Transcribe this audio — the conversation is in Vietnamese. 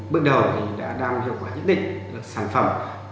bước đầu thì đã đam hiệu quả nhất định sản phẩm